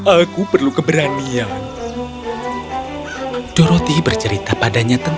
aku perlu keberanian